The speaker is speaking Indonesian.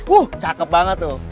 wuh cakep banget tuh